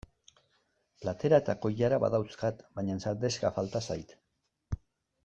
Platera eta koilara badauzkat baina sardexka falta zait.